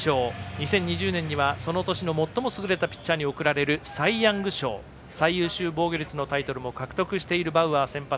２０２０年にはその年の最も優れたピッチャーに贈られるサイ・ヤング賞最優秀防御率のタイトルも獲得しているバウアー、先発。